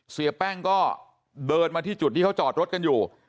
เสียแป้งก็เดินมาที่จุดที่เขาจอดรถกันอยู่